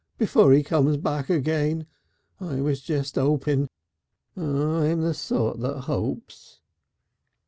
Before he comes back again. I was just hoping I'm the sort that hopes."